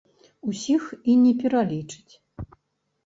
Усіх і не пералічыць.